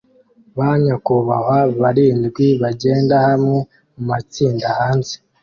Ba nyakubahwa barindwi bagenda hamwe mumatsinda hanze